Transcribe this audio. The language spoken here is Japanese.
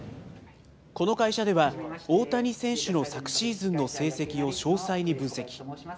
この会社では、大谷選手の昨シーズンの成績を詳細に分析。